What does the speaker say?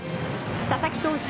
佐々木投手